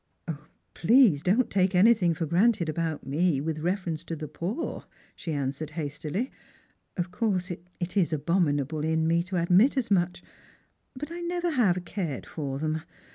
" Please don't take anything for granted about me with re ference to the poor," she answered hastily. " Of course it is abominable in me to admit as much, but I never have cared for them.